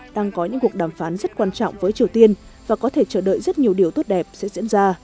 đang có những cuộc đàm phán rất quan trọng với triều tiên và có thể chờ đợi rất nhiều điều tốt đẹp sẽ diễn ra